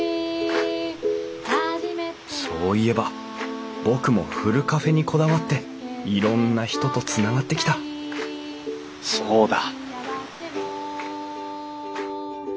そう言えば僕もふるカフェにこだわっていろんな人とつながってきたそうだ！